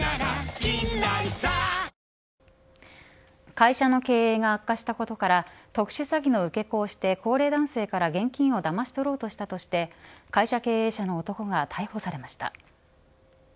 会社の経営が悪化したことから特殊詐欺の受け子をして高齢男性から現金をだましろうとしたとして会社経営者の男が逮捕されました。